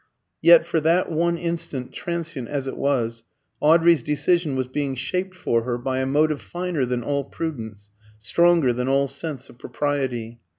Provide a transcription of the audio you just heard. Yet for that one instant, transient as it was, Audrey's decision was being shaped for her by a motive finer than all prudence, stronger than all sense of propriety.